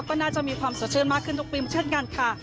ก็น่าจะมีความสดชื่นมากขึ้นทุกปีเช่นกันค่ะ